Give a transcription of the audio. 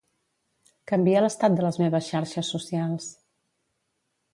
Canvia l'estat de les meves xarxes socials.